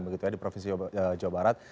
begitu ya di provinsi jawa barat